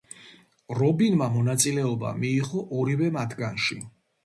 რობინმა მონაწილეობა მიიღო ორივე მათგანში.